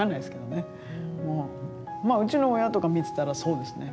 うちの親とか見てたらそうですね。